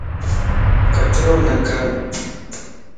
ڪچرو نه ڪر